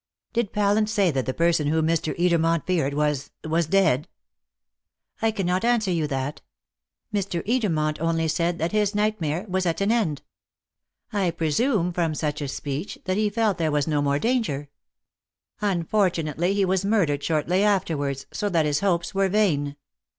"Did Pallant say that the person whom Mr. Edermont feared was was dead?" "I cannot answer you that. Mr. Edermont only said that his nightmare was at an end. I presume from such a speech that he felt there was no more danger. Unfortunately, he was murdered shortly afterwards, so that his hopes were vain.